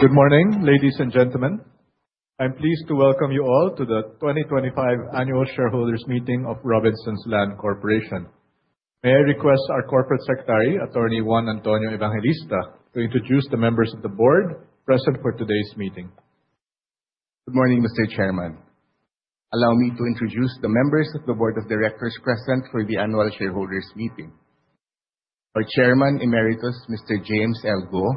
Good morning, ladies and gentlemen. I'm pleased to welcome you all to the 2025 annual shareholders meeting of Robinsons Land Corporation. May I request our corporate secretary, Attorney Juan Antonio Evangelista, to introduce the members of the board present for today's meeting. Good morning, Mr. Chairman. Allow me to introduce the members of the board of directors present for the annual shareholders meeting. Our Chairman Emeritus, Mr. James L. Go.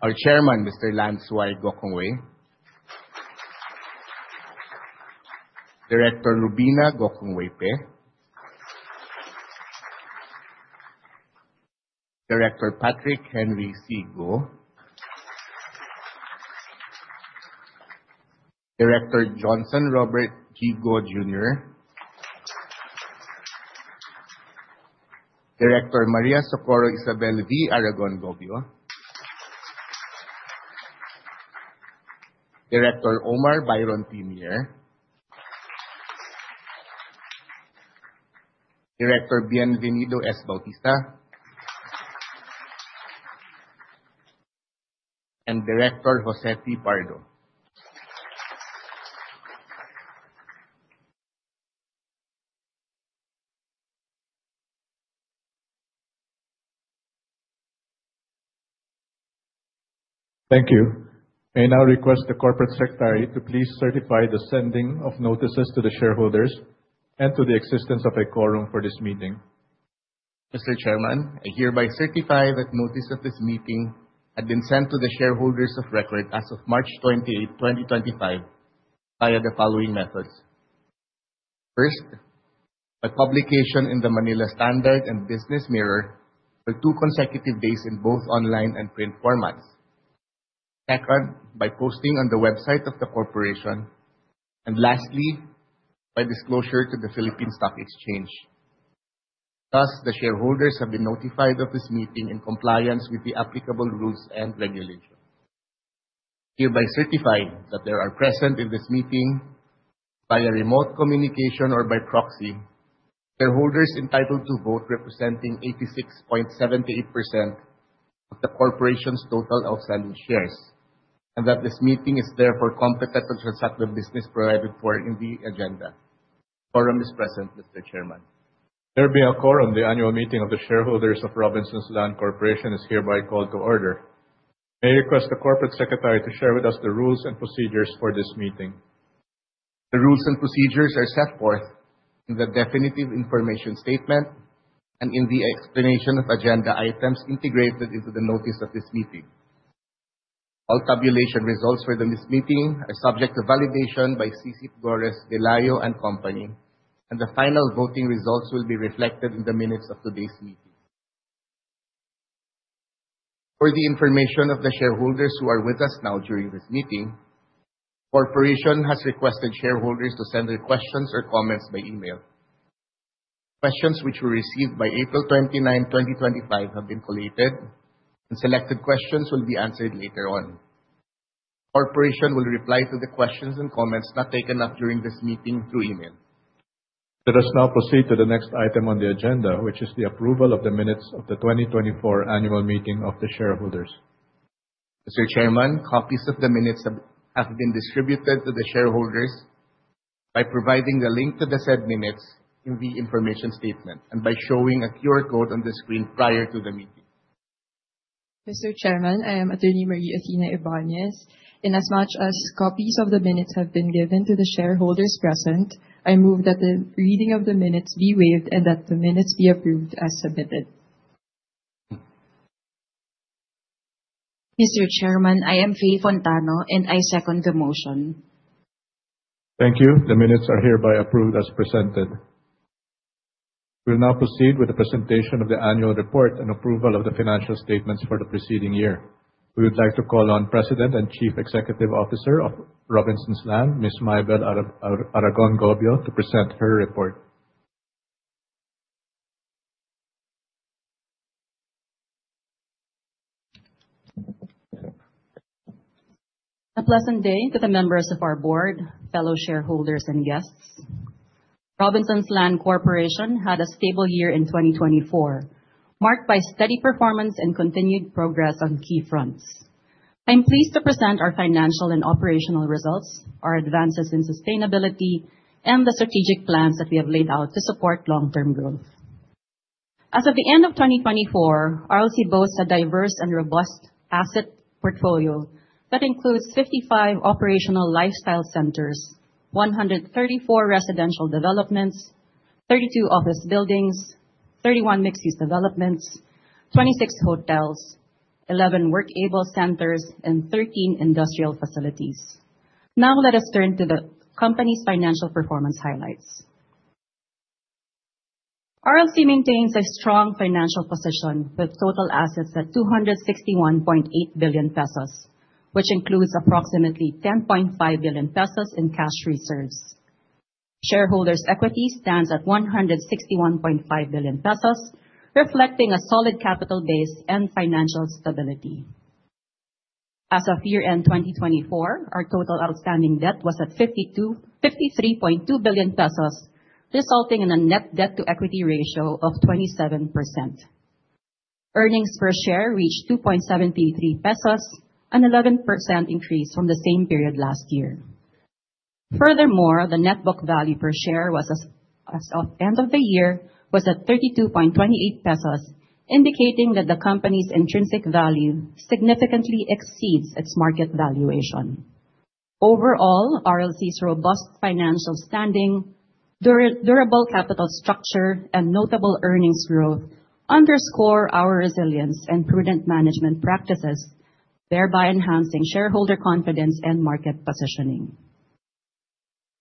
Our Chairman, Mr. Lance Y. Gokongwei. Director Robina Gokongwei-Pe. Director Patrick Henry C. Go. Director Johnson Robert G. Go, Jr. Director Maria Socorro Isabel V. Aragon-Gobio. Director Omar Byron T. Mañio. Director Bienvenido S. Bautista. Director Jose T. Pardo. Thank you. May I now request the corporate secretary to please certify the sending of notices to the shareholders and to the existence of a quorum for this meeting. Mr. Chairman, I hereby certify that notice of this meeting had been sent to the shareholders of record as of March 20, 2025 via the following methods. First, by publication in the Manila Standard and BusinessMirror for 2 consecutive days in both online and print formats. Second, by posting on the website of the corporation. Lastly, by disclosure to the Philippine Stock Exchange. Thus, the shareholders have been notified of this meeting in compliance with the applicable rules and regulations. I hereby certify that there are present in this meeting via remote communication or by proxy, shareholders entitled to vote representing 86.78% of the corporation's total outstanding shares, and that this meeting is therefore competent to transact the business provided for in the agenda. Quorum is present, Mr. Chairman. There being a quorum, the annual meeting of the shareholders of Robinsons Land Corporation is hereby called to order. May I request the Corporate Secretary to share with us the rules and procedures for this meeting? The rules and procedures are set forth in the definitive information statement and in the explanation of agenda items integrated into the notice of this meeting. All tabulation results for this meeting are subject to validation by SyCip Gorres Velayo & Co., and the final voting results will be reflected in the minutes of today's meeting. For the information of the shareholders who are with us now during this meeting, Corporation has requested shareholders to send their questions or comments by email. Questions which were received by April 29, 2025 have been collated and selected questions will be answered later on. Corporation will reply to the questions and comments not taken up during this meeting through email. Let us now proceed to the next item on the agenda, which is the approval of the minutes of the 2024 annual meeting of the shareholders. Mr. Chairman, copies of the minutes have been distributed to the shareholders by providing the link to the said minutes in the information statement and by showing a QR code on the screen prior to the meeting. Mr. Chairman, I am Attorney Marie Athena Ybañez. In as much as copies of the minutes have been given to the shareholders present, I move that the reading of the minutes be waived and that the minutes be approved as submitted. Mr. Chairman, I am Faye Fontanoza, and I second the motion. Thank you. The minutes are hereby approved as presented. We'll now proceed with the presentation of the annual report and approval of the financial statements for the preceding year. We would like to call on President and Chief Executive Officer of Robinsons Land, Ms. Mybelle Aragon-Gobio, to present her report. A pleasant day to the members of our board, fellow shareholders and guests. Robinsons Land Corporation had a stable year in 2024, marked by steady performance and continued progress on key fronts. I'm pleased to present our financial and operational results, our advances in sustainability, and the strategic plans that we have laid out to support long-term growth. As of the end of 2024, RLC boasts a diverse and robust asset portfolio that includes 55 operational lifestyle centers, 134 residential developments, 32 office buildings, 31 mixed-use developments, 26 hotels, 11 work.able centers and 13 industrial facilities. Now let us turn to the company's financial performance highlights. RLC maintains a strong financial position with total assets at 261.8 billion pesos, which includes approximately 10.5 billion pesos in cash reserves. Shareholders' equity stands at 161.5 billion pesos, reflecting a solid capital base and financial stability. As of year-end 2024, our total outstanding debt was at 53.2 billion pesos, resulting in a net debt to equity ratio of 27%. Earnings per share reached 2.73 pesos, an 11% increase from the same period last year. Furthermore, the net book value per share was, as of end of the year, at 32.28 pesos, indicating that the company's intrinsic value significantly exceeds its market valuation. Overall, RLC's robust financial standing, durable capital structure, and notable earnings growth underscore our resilience and prudent management practices, thereby enhancing shareholder confidence and market positioning.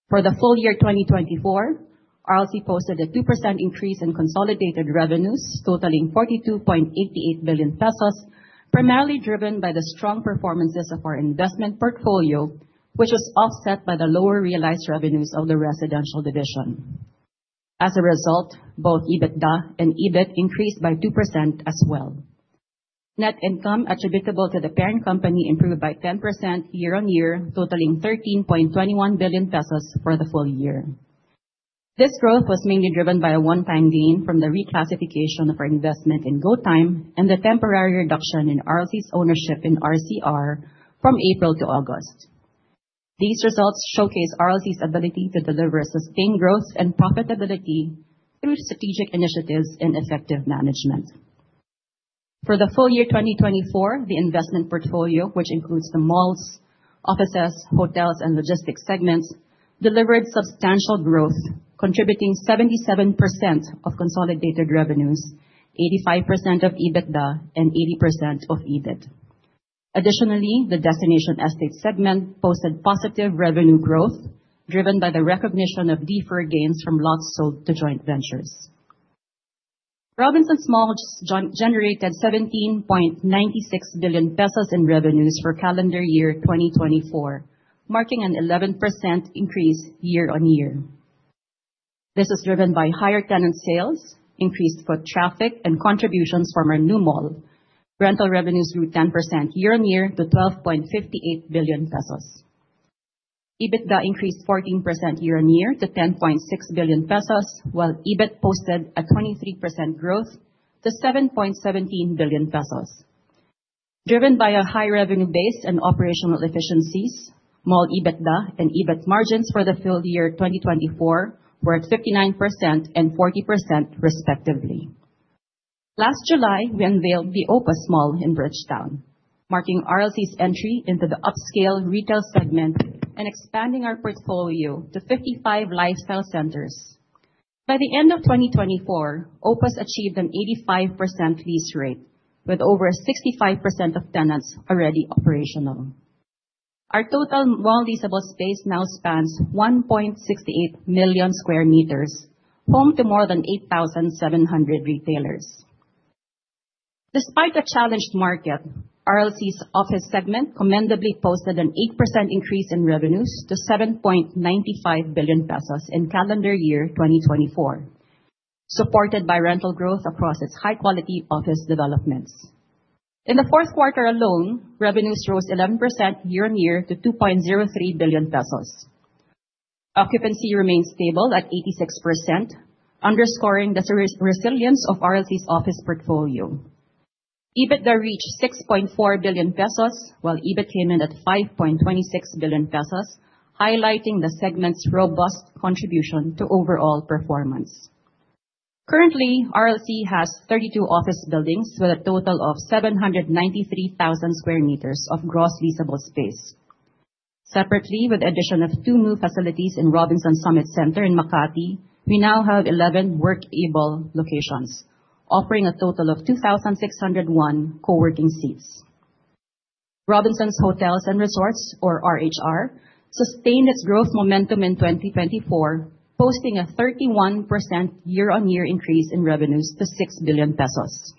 For the full year 2024, RLC posted a 2% increase in consolidated revenues totaling 42.88 billion pesos, primarily driven by the strong performances of our investment portfolio, which was offset by the lower realized revenues of the residential division. As a result, both EBITDA and EBIT increased by 2% as well. Net income attributable to the parent company improved by 10% year-on-year, totaling 13.21 billion pesos for the full year. This growth was mainly driven by a one-time gain from the reclassification of our investment in GoTyme and the temporary reduction in RLC's ownership in RCR from April to August. These results showcase RLC's ability to deliver sustained growth and profitability through strategic initiatives and effective management. For the full year 2024, the investment portfolio, which includes the malls, offices, hotels, and logistics segments, delivered substantial growth, contributing 77% of consolidated revenues, 85% of EBITDA, and 80% of EBIT. Additionally, the destination estate segment posted positive revenue growth driven by the recognition of deferred gains from lots sold to joint ventures. Robinsons Malls generated 17.96 billion pesos in revenues for calendar year 2024, marking an 11% increase year-on-year. This is driven by higher tenant sales, increased foot traffic, and contributions from our new mall. Rental revenues grew 10% year-on-year to 12.58 billion pesos. EBITDA increased 14% year-on-year to 10.6 billion pesos, while EBIT posted a 23% growth to 7.17 billion pesos. Driven by a high revenue base and operational efficiencies, mall EBITDA and EBIT margins for the full year 2024 were at 59% and 40% respectively. Last July, we unveiled the Opus Mall in Bridgetowne, marking RLC's entry into the upscale retail segment and expanding our portfolio to 55 lifestyle centers. By the end of 2024, Opus achieved an 85% lease rate with over 65% of tenants already operational. Our total mall leasable space now spans 1.68 million square meters, home to more than 8,700 retailers. Despite a challenged market, RLC's office segment commendably posted an 8% increase in revenues to 7.95 billion pesos in calendar year 2024, supported by rental growth across its high-quality office developments. In the fourth quarter alone, revenues rose 11% year-on-year to 2.03 billion pesos. Occupancy remains stable at 86%, underscoring the resilience of RLC's office portfolio. EBITDA reached 6.4 billion pesos, while EBIT came in at 5.26 billion pesos, highlighting the segment's robust contribution to overall performance. Currently, RLC has 32 office buildings with a total of 793,000 sq m of gross leasable space. Separately, with the addition of 2 new facilities in Robinsons Summit Center in Makati, we now have 11 work.able locations offering a total of 2,601 coworking seats. Robinsons Hotels and Resorts, or RHR, sustained its growth momentum in 2024, posting a 31% year-on-year increase in revenues to 6 billion pesos.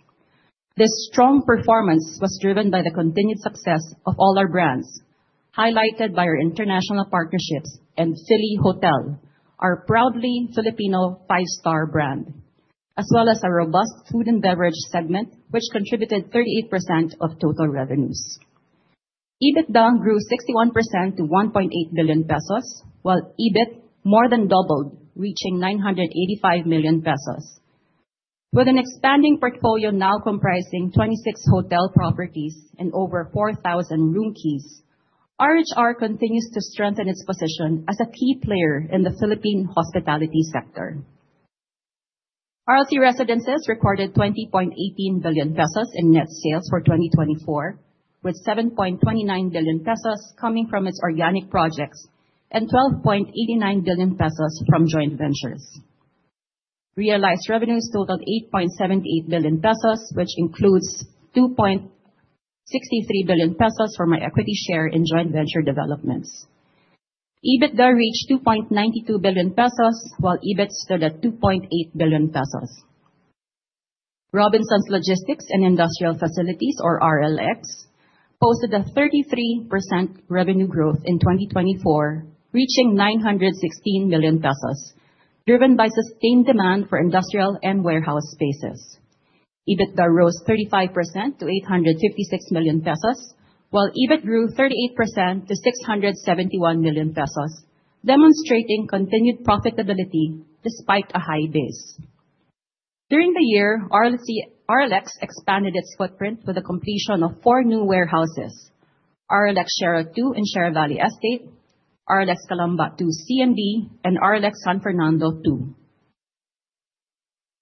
This strong performance was driven by the continued success of all our brands, highlighted by our international partnerships and Fili Hotel, our proudly Filipino five-star brand, as well as our robust food and beverage segment, which contributed 38% of total revenues. EBITDA grew 61% to 1.8 billion pesos, while EBIT more than doubled, reaching 985 million pesos. With an expanding portfolio now comprising 26 hotel properties and over 4,000 room keys, RHR continues to strengthen its position as a key player in the Philippine hospitality sector. RLC Residences recorded 20.18 billion pesos in net sales for 2024, with 7.29 billion pesos coming from its organic projects and 12.89 billion pesos from joint ventures. Realized revenues totaled 8.78 billion pesos, which includes 2.63 billion pesos from our equity share in joint venture developments. EBITDA reached 2.92 billion pesos, while EBIT stood at 2.8 billion pesos. Robinsons Logistix and Industrials, or RLX, posted a 33% revenue growth in 2024, reaching 916 million pesos. Driven by sustained demand for industrial and warehouse spaces. EBITDA rose 35% to 856 million pesos, while EBIT grew 38% to 671 million pesos, demonstrating continued profitability despite a high base. During the year, RLX expanded its footprint with the completion of four new warehouses: RLX Sierra 2 in Sierra Valley Estate, RLX Calamba 2, and RLX San Fernando 2.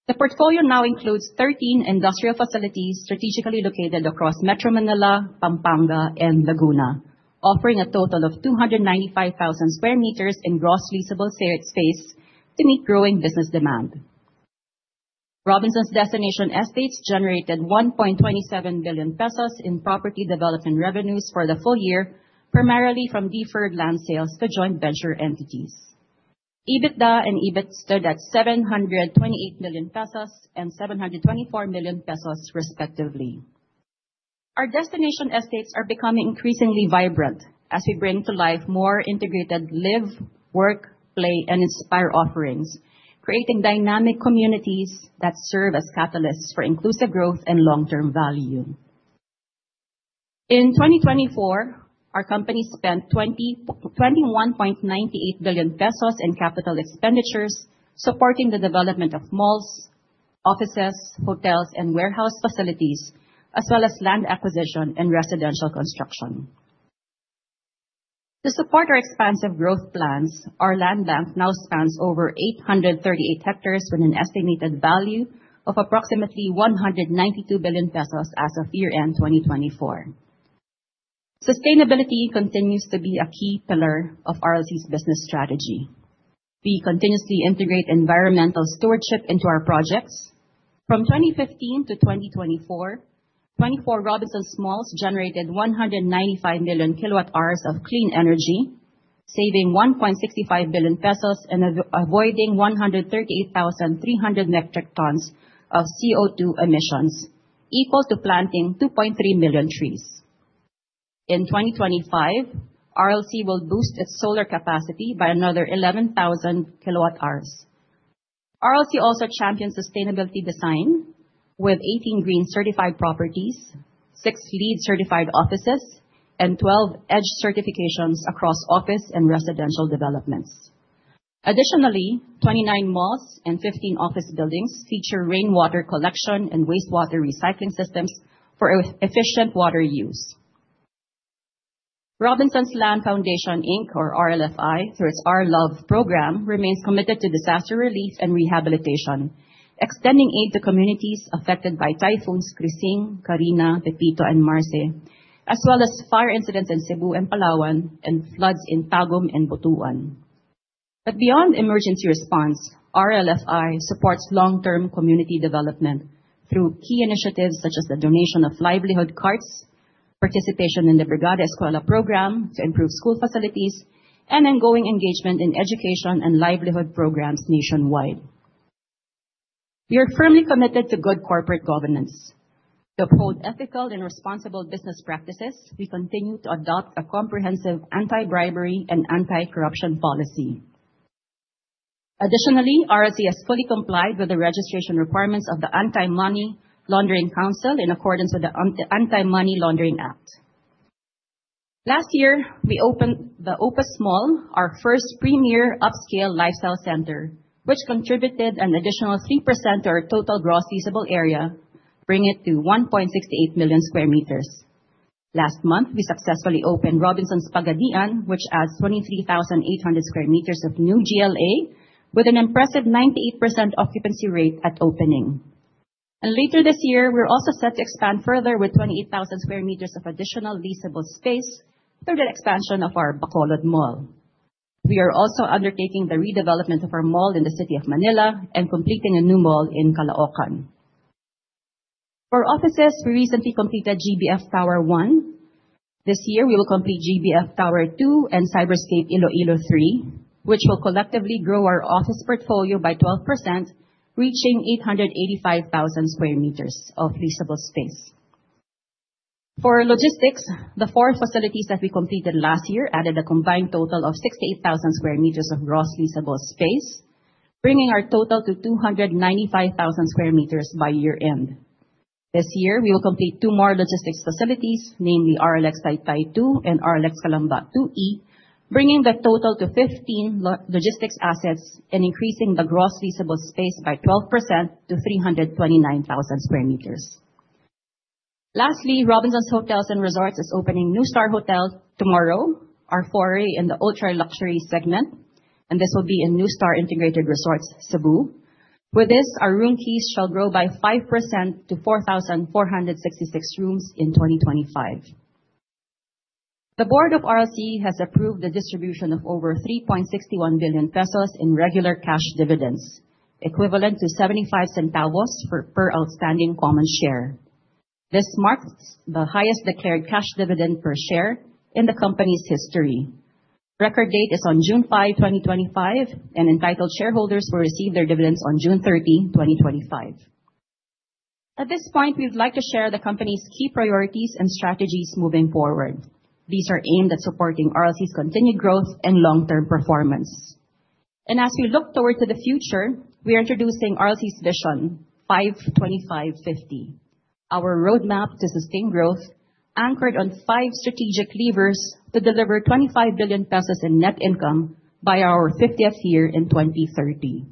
The portfolio now includes 13 industrial facilities strategically located across Metro Manila, Pampanga, and Laguna, offering a total of 295,000 square meters in gross leasable space to meet growing business demand. Robinsons Destination Estates generated 1.27 billion pesos in property development revenues for the full year, primarily from deferred land sales to joint venture entities. EBITDA and EBIT stood at 728 million pesos and 724 million pesos, respectively. Our destination estates are becoming increasingly vibrant as we bring to life more integrated live, work, play, and inspire offerings, creating dynamic communities that serve as catalysts for inclusive growth and long-term value. In 2024, our company spent 21.98 billion pesos in capital expenditures, supporting the development of malls, offices, hotels, and warehouse facilities, as well as land acquisition and residential construction. To support our expansive growth plans, our land bank now spans over 838 hectares with an estimated value of approximately 192 billion pesos as of year-end 2024. Sustainability continues to be a key pillar of RLC's business strategy. We continuously integrate environmental stewardship into our projects. From 2015 to 2024, 24 Robinsons Malls generated 195 million kWh of clean energy, saving 1.65 billion pesos and avoiding 138,300 metric tons of CO2 emissions, equal to planting 2.3 million trees. In 2025, RLC will boost its solar capacity by another 11,000 kWh. RLC also champions sustainability design with 18 green certified properties, 6 LEED certified offices, and 12 EDGE certifications across office and residential developments. Additionally, 29 malls and 15 office buildings feature rainwater collection and wastewater recycling systems for efficient water use. Robinsons Land Foundation, Inc., or RLFI, through its RLove program, remains committed to disaster relief and rehabilitation, extending aid to communities affected by typhoons Karding, Carina, Pepito, and Marce, as well as fire incidents in Cebu and Palawan and floods in Tagum and Butuan. Beyond emergency response, RLFI supports long-term community development through key initiatives such as the donation of livelihood carts, participation in the Brigada Eskwela program to improve school facilities, and ongoing engagement in education and livelihood programs nationwide. We are firmly committed to good corporate governance. To uphold ethical and responsible business practices, we continue to adopt a comprehensive anti-bribery and anti-corruption policy. Additionally, RLC has fully complied with the registration requirements of the Anti-Money Laundering Council in accordance with the Anti-Money Laundering Act. Last year, we opened the Opus Mall, our first premier upscale lifestyle center, which contributed an additional 3% to our total gross leasable area, bringing it to 1.68 million square meters. Last month, we successfully opened Robinsons Pagadian, which adds 23,800 square meters of new GLA with an impressive 98% occupancy rate at opening. Later this year, we're also set to expand further with 28,000 square meters of additional leasable space through the expansion of our Bacolod Mall. We are also undertaking the redevelopment of our mall in the city of Manila and completing a new mall in Caloocan. For offices, we recently completed GBF Center 1. This year, we will complete GBF Center 2 and Cybergate Iloilo Tower 3, which will collectively grow our office portfolio by 12%, reaching 885,000 square meters of leasable space. For logistics, the four facilities that we completed last year added a combined total of 68,000 square meters of gross leasable space, bringing our total to 295,000 square meters by year-end. This year, we will complete 2 more logistics facilities, namely RLX Taytay 2 and RLX Calamba 2E, bringing the total to 15 logistics assets and increasing the gross leasable space by 12% to 329,000 square meters. Lastly, Robinsons Hotels and Resorts is opening NUSTAR Hotel tomorrow, our foray in the ultra-luxury segment, and this will be in NUSTAR Resort and Casino, Cebu. With this, our room keys shall grow by 5% to 4,466 rooms in 2025. The board of RLC has approved the distribution of over 3.61 billion pesos in regular cash dividends, equivalent to 0.75 per outstanding common share. This marks the highest declared cash dividend per share in the company's history. Record date is on June 5, 2025, and entitled shareholders will receive their dividends on June 13, 2025. At this point, we'd like to share the company's key priorities and strategies moving forward. These are aimed at supporting RLC's continued growth and long-term performance. As we look toward the future, we are introducing RLC's Vision 5-25-50. Our roadmap to sustained growth anchored on five strategic levers to deliver 25 billion pesos in net income by our fiftieth year in 2030.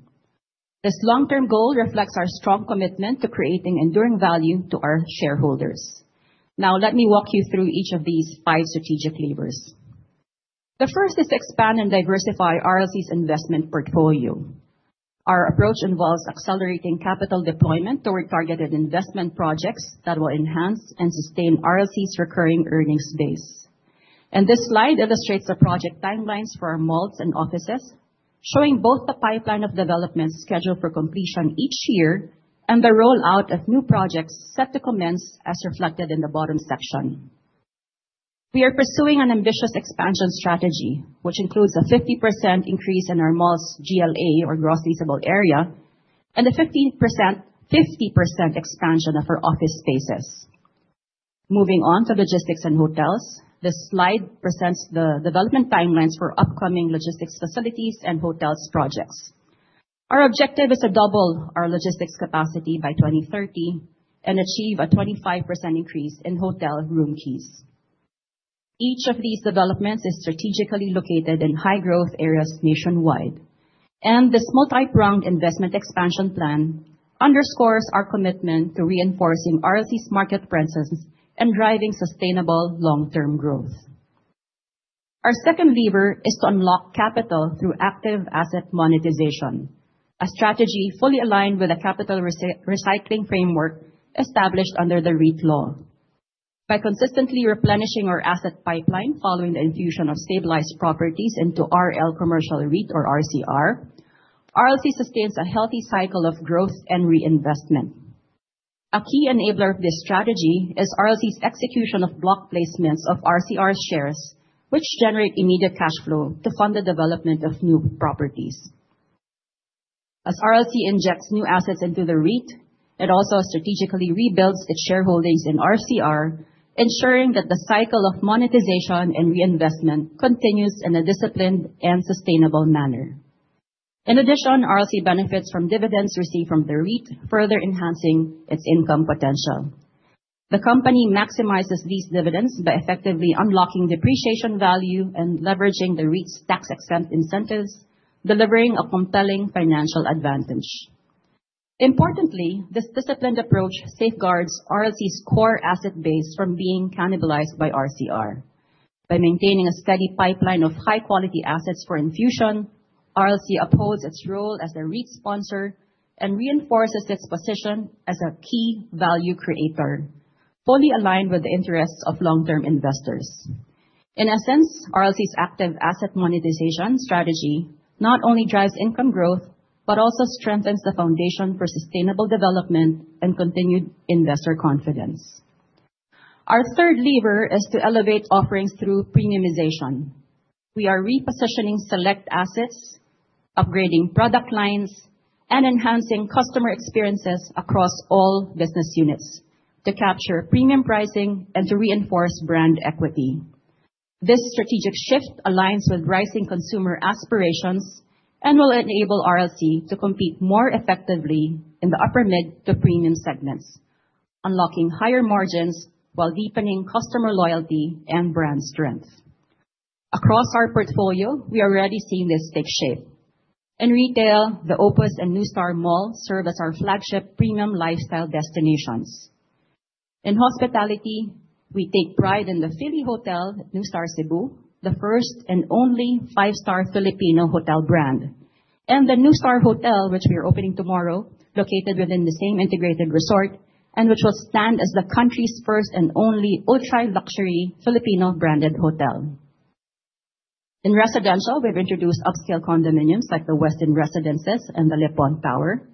This long-term goal reflects our strong commitment to creating enduring value to our shareholders. Now, let me walk you through each of these 5 strategic levers. The first is expand and diversify RLC's investment portfolio. Our approach involves accelerating capital deployment toward targeted investment projects that will enhance and sustain RLC's recurring earnings base. This slide illustrates the project timelines for our malls and offices, showing both the pipeline of developments scheduled for completion each year and the rollout of new projects set to commence, as reflected in the bottom section. We are pursuing an ambitious expansion strategy, which includes a 50% increase in our malls' GLA, or gross leasable area, and a 50% expansion of our office spaces. Moving on to logistics and hotels, this slide presents the development timelines for upcoming logistics facilities and hotels projects. Our objective is to double our logistics capacity by 2030 and achieve a 25% increase in hotel room keys. Each of these developments is strategically located in high-growth areas nationwide, and this multi-pronged investment expansion plan underscores our commitment to reinforcing RLC's market presence and driving sustainable long-term growth. Our second lever is to unlock capital through active asset monetization, a strategy fully aligned with the capital recycling framework established under the REIT law. By consistently replenishing our asset pipeline following the infusion of stabilized properties into RL Commercial REIT, or RCR, RLC sustains a healthy cycle of growth and reinvestment. A key enabler of this strategy is RLC's execution of block placements of RCR shares, which generate immediate cash flow to fund the development of new properties. As RLC injects new assets into the REIT, it also strategically rebuilds its shareholdings in RCR, ensuring that the cycle of monetization and reinvestment continues in a disciplined and sustainable manner. In addition, RLC benefits from dividends received from the REIT, further enhancing its income potential. The company maximizes these dividends by effectively unlocking depreciation value and leveraging the REIT's tax-exempt incentives, delivering a compelling financial advantage. Importantly, this disciplined approach safeguards RLC's core asset base from being cannibalized by RCR. By maintaining a steady pipeline of high-quality assets for infusion, RLC upholds its role as the REIT sponsor and reinforces its position as a key value creator, fully aligned with the interests of long-term investors. In essence, RLC's active asset monetization strategy not only drives income growth, but also strengthens the foundation for sustainable development and continued investor confidence. Our third lever is to elevate offerings through premiumization. We are repositioning select assets, upgrading product lines, and enhancing customer experiences across all business units to capture premium pricing and to reinforce brand equity. This strategic shift aligns with rising consumer aspirations and will enable RLC to compete more effectively in the upper mid to premium segments, unlocking higher margins while deepening customer loyalty and brand strength. Across our portfolio, we are already seeing this take shape. In retail, the Opus and NUSTAR Mall serve as our flagship premium lifestyle destinations. In hospitality, we take pride in the Fili Hotel, NUSTAR Cebu, the first and only five-star Filipino hotel brand, and the NUSTAR Hotel, which we are opening tomorrow, located within the same integrated resort, and which will stand as the country's first and only ultra-luxury Filipino branded hotel. In residential, we've introduced upscale condominiums like The Westin Residences and the Le Pont Residences.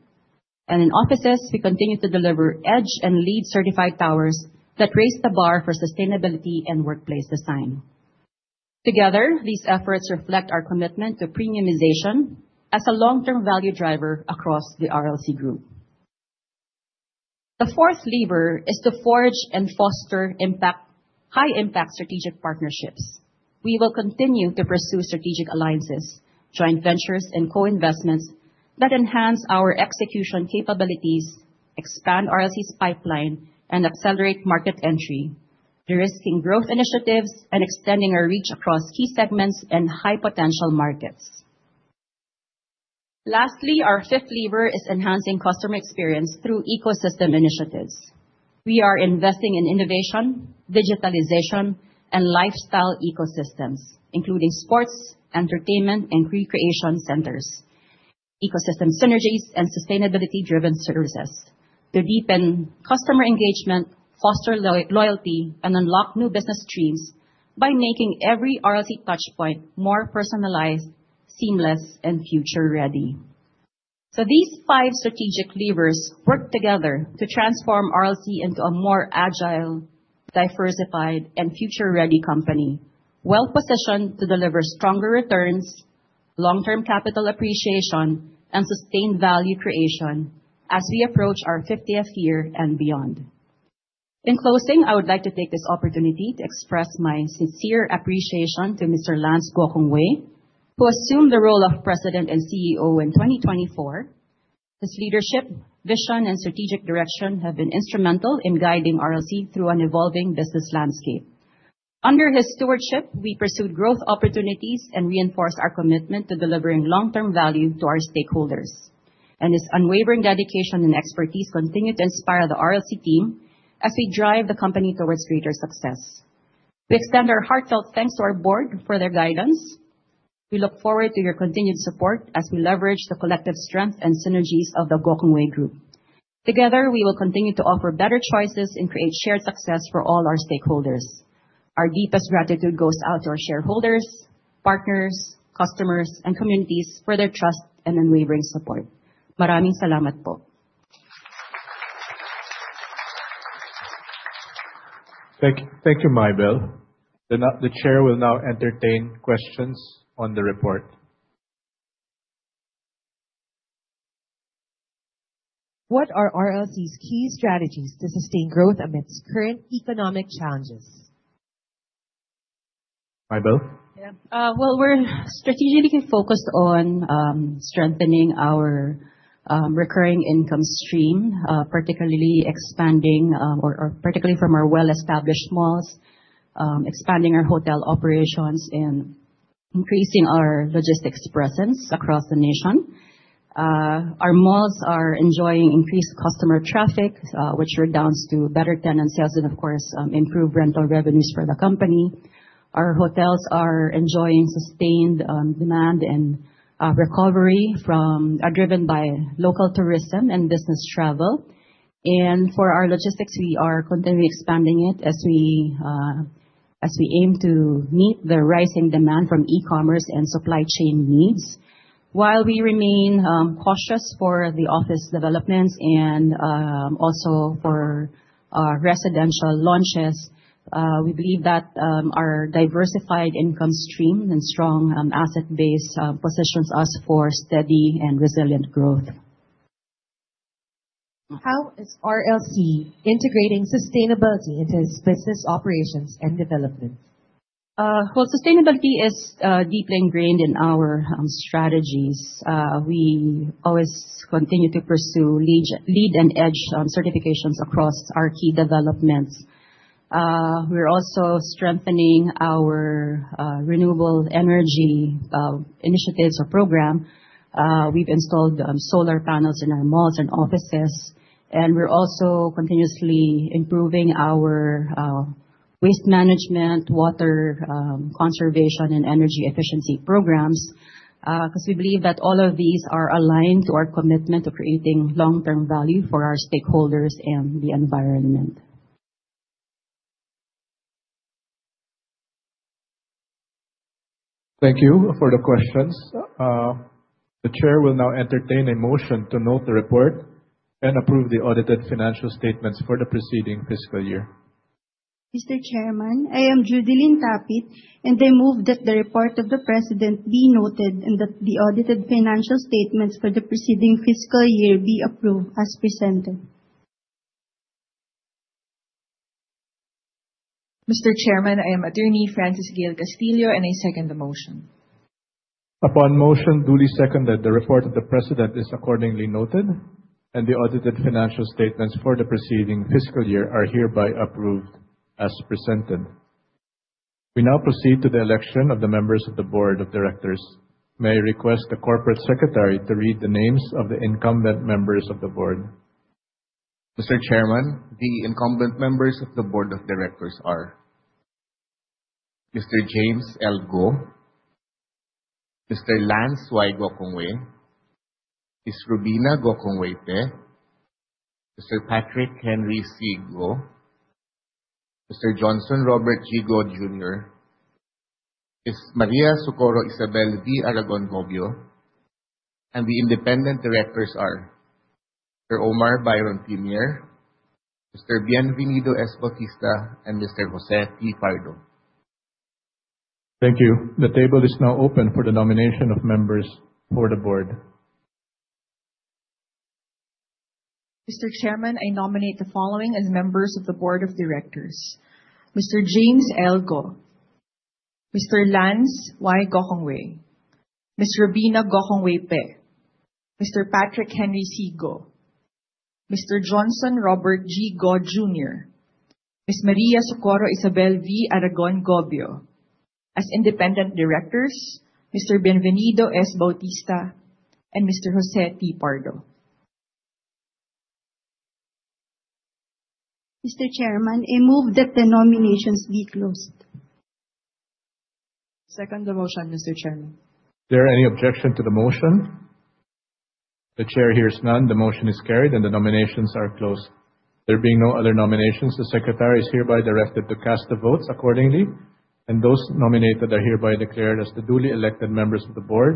In offices, we continue to deliver EDGE and LEED certified towers that raise the bar for sustainability and workplace design. Together, these efforts reflect our commitment to premiumization as a long-term value driver across the RLC Group. The fourth lever is to forge and foster impact, high-impact strategic partnerships. We will continue to pursue strategic alliances, joint ventures, and co-investments that enhance our execution capabilities, expand RLC's pipeline, and accelerate market entry, de-risking growth initiatives and extending our reach across key segments and high-potential markets. Lastly, our fifth lever is enhancing customer experience through ecosystem initiatives. We are investing in innovation, digitalization, and lifestyle ecosystems, including sports, entertainment, and recreation centers, ecosystem synergies, and sustainability-driven services to deepen customer engagement, foster loyalty, and unlock new business streams by making every RLC touchpoint more personalized, seamless, and future-ready. These five strategic levers work together to transform RLC into a more agile, diversified, and future-ready company, well-positioned to deliver stronger returns, long-term capital appreciation, and sustained value creation as we approach our fiftieth year and beyond. In closing, I would like to take this opportunity to express my sincere appreciation to Mr. Lance Y. Gokongwei, who assumed the role of President and CEO in 2024. His leadership, vision, and strategic direction have been instrumental in guiding RLC through an evolving business landscape. Under his stewardship, we pursued growth opportunities and reinforced our commitment to delivering long-term value to our stakeholders. His unwavering dedication and expertise continue to inspire the RLC team as we drive the company towards greater success. We extend our heartfelt thanks to our board for their guidance. We look forward to your continued support as we leverage the collective strength and synergies of the Gokongwei Group. Together, we will continue to offer better choices and create shared success for all our stakeholders. Our deepest gratitude goes out to our shareholders, partners, customers, and communities for their trust and unwavering support. Thank you, Maybelle. The chair will now entertain questions on the report. What are RLC's key strategies to sustain growth amidst current economic challenges? Maybelle? Yeah. Well, we're strategically focused on strengthening our recurring income stream, particularly from our well-established malls, expanding our hotel operations, and increasing our logistics presence across the nation. Our malls are enjoying increased customer traffic, which redounds to better tenant sales and of course, improved rental revenues for the company. Our hotels are enjoying sustained demand and recovery driven by local tourism and business travel. For our logistics, we are continually expanding it as we aim to meet the rising demand from e-commerce and supply chain needs. While we remain cautious for the office developments and also for our residential launches, we believe that our diversified income stream and strong asset base positions us for steady and resilient growth. How is RLC integrating sustainability into its business operations and development? Well, sustainability is deeply ingrained in our strategies. We always continue to pursue LEED and EDGE certifications across our key developments. We're also strengthening our renewable energy initiatives or program. We've installed solar panels in our malls and offices, and we're also continuously improving our waste management, water conservation, and energy efficiency programs, 'cause we believe that all of these are aligned to our commitment to creating long-term value for our stakeholders and the environment. Thank you for the questions. The chair will now entertain a motion to note the report and approve the audited financial statements for the preceding fiscal year. Mr. Chairman, I am Judilyn Tapit, and I move that the report of the president be noted and that the audited financial statements for the preceding fiscal year be approved as presented. Mr. Chairman, I am Attorney Frances Gail Castillo, and I second the motion. Upon motion duly seconded, the report of the president is accordingly noted, and the audited financial statements for the preceding fiscal year are hereby approved as presented. We now proceed to the election of the members of the board of directors. May I request the corporate secretary to read the names of the incumbent members of the board. Mr. Chairman, the incumbent members of the board of directors are Mr. James L. Go, Mr. Lance Y. Gokongwei, Ms. Robina Gokongwei Pe, Mr. Patrick Henry C. Go, Mr. Johnson Robert G. Go, Jr., Ms. Maria Socorro Isabel V. Aragon-Gobio. The independent directors are Mr. Omar Byron T. Mier, Mr. Bienvenido S. Bautista, and Mr. Jose T. Pardo. Thank you. The floor is now open for the nomination of members for the board. Mr. Chairman, I nominate the following as members of the board of directors, Mr. James L. Go, Mr. Lance Y. Gokongwei, Ms. Robina Gokongwei-Pe, Mr. Patrick Henry C. Go, Mr. Johnson Robert G. Go, Jr., Ms. Maria Socorro Isabel V. Aragon-Gobio. As independent directors, Mr. Bienvenido S. Bautista and Mr. Jose T. Pardo. Mr. Chairman, I move that the nominations be closed. Second the motion, Mr. Chairman. Is there any objection to the motion? The chair hears none. The motion is carried, and the nominations are closed. There being no other nominations, the secretary is hereby directed to cast the votes accordingly, and those nominated are hereby declared as the duly elected members of the board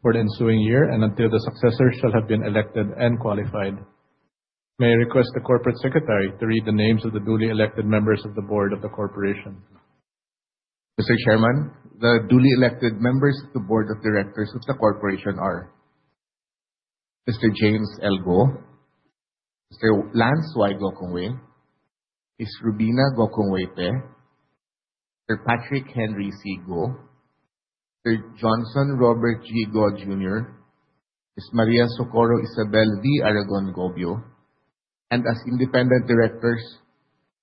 for the ensuing year and until their successors shall have been elected and qualified. May I request the Corporate Secretary to read the names of the duly elected members of the board of the corporation. Mr. Chairman, the duly elected members of the board of directors of the corporation are Mr. James L. Go, Mr. Lance Y. Gokongwei, Ms. Robina Gokongwei-Pe, Mr. Patrick Henry C. Go, Mr. Johnson Robert G. Go, Jr., Ms. Maria Socorro Isabel V. Aragon-Gobio, and as independent directors,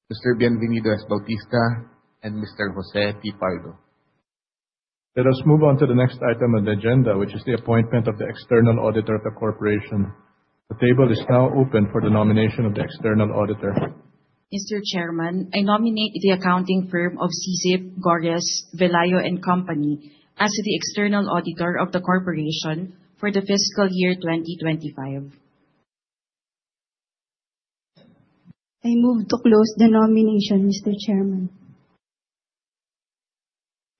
Mr. Bienvenido S. Bautista and Mr. Jose T. Pardo. Let us move on to the next item on the agenda, which is the appointment of the external auditor of the corporation. The table is now open for the nomination of the external auditor. Mr. Chairman, I nominate the accounting firm of SyCip Gorres Velayo & Co. as the external auditor of the corporation for the fiscal year 2025. I move to close the nomination, Mr. Chairman.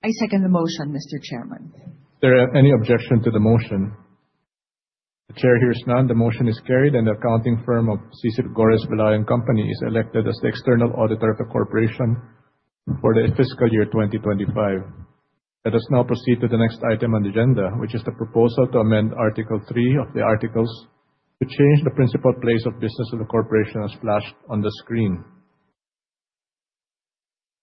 I second the motion, Mr. Chairman. Is there any objection to the motion? The chair hears none. The motion is carried, and the accounting firm of SyCip Gorres Velayo & Co. is elected as the external auditor of the corporation for the fiscal year 2025. Let us now proceed to the next item on the agenda, which is the proposal to amend Article III of the articles to change the principal place of business of the corporation as flashed on the screen.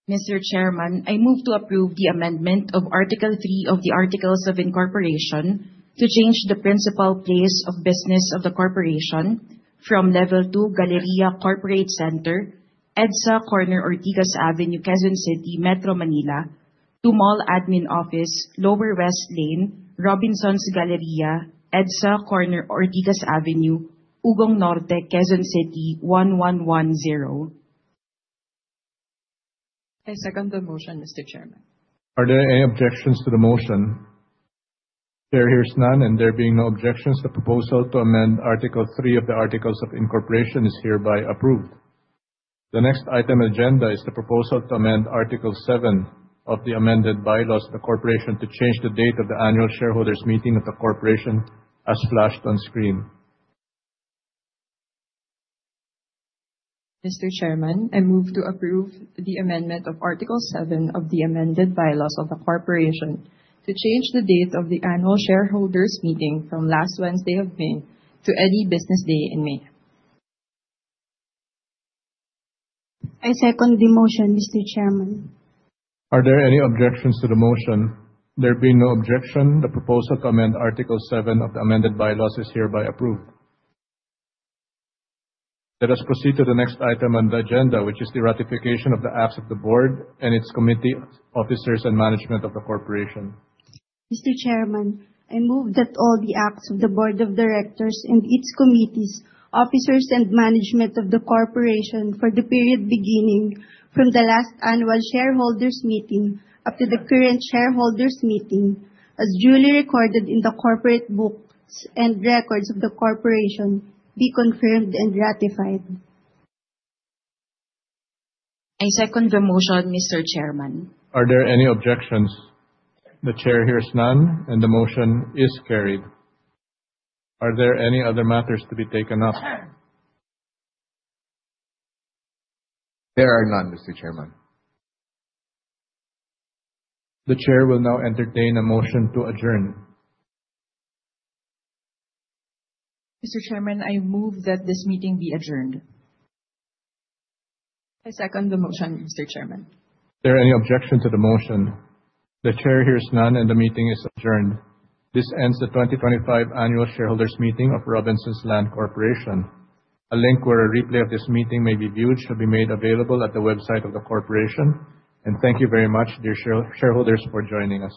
Mr. Chairman, I move to approve the amendment of Article III of the articles of incorporation to change the principal place of business of the corporation from Level Two, Galleria Corporate Center, EDSA corner Ortigas Avenue, Quezon City, Metro Manila to Mall Admin Office, Lower West Lane, Robinsons Galleria, EDSA corner Ortigas Avenue, Ugong Norte, Quezon City, 1110. I second the motion, Mr. Chairman. Are there any objections to the motion? The chair hears none, and there being no objections, the proposal to amend Article III of the articles of incorporation is hereby approved. The next item on agenda is the proposal to amend Article VII of the amended bylaws of the corporation to change the date of the annual shareholders' meeting of the corporation as flashed on screen. Mr. Chairman, I move to approve the amendment of Article VII of the amended bylaws of the corporation to change the date of the annual shareholders' meeting from last Wednesday of May to any business day in May. I second the motion, Mr. Chairman. Are there any objections to the motion? There being no objection, the proposal to amend Article VII of the amended bylaws is hereby approved. Let us proceed to the next item on the agenda, which is the ratification of the acts of the board and its committee officers and management of the corporation. Mr. Chairman, I move that all the acts of the board of directors and its committees, officers, and management of the corporation for the period beginning from the last annual shareholders' meeting up to the current shareholders' meeting, as duly recorded in the corporate books and records of the corporation, be confirmed and ratified. I second the motion, Mr. Chairman. Are there any objections? The chair hears none, and the motion is carried. Are there any other matters to be taken up? There are none, Mr. Chairman. The chair will now entertain a motion to adjourn. Mr. Chairman, I move that this meeting be adjourned. I second the motion, Mr. Chairman. Are there any objection to the motion? The chair hears none, and the meeting is adjourned. This ends the 2025 annual shareholders' meeting of Robinsons Land Corporation. A link where a replay of this meeting may be viewed shall be made available at the website of the corporation. Thank you very much, dear shareholders, for joining us.